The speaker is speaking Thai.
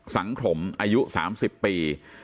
สังคมอายุ๓๐ปี